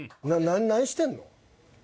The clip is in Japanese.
何してんの？